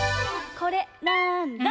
これなんだ？